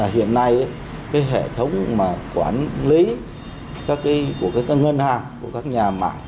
hiện nay hệ thống quản lý của các ngân hàng các nhà mạng